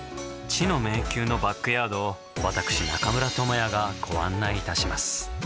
知の迷宮のバックヤードを私、中村ともやがご案内いたします。